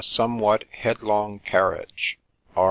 somewhat headlong carriage." ^R.